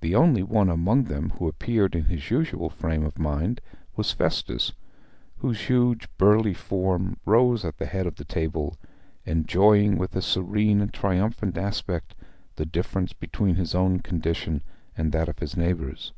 The only one among them who appeared in his usual frame of mind was Festus, whose huge, burly form rose at the head of the table, enjoying with a serene and triumphant aspect the difference between his own condition and that of his neighbours.